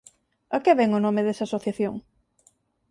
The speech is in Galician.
A que vén o nome desa asociación?